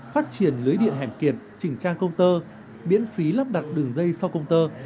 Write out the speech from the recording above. phát triển lưới điện hẻm kiệt chỉnh trang công tơ miễn phí lắp đặt đường dây sau công tơ